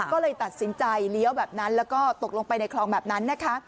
ก็เลยตัดสินใจเลี้ยวแบบนั้นแล้วก็ตกลงไปในคลองแบบนั้นนะคะ